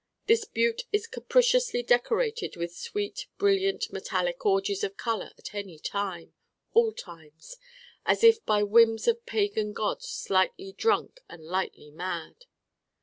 This Butte is capriciously decorated with sweet brilliant metallic orgies of color at any time, all times, as if by whims of pagan gods lightly drunk and lightly mad.